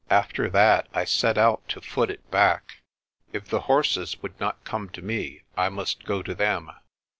After that I set out to fool it back. If the horses would not come to me I must go to them.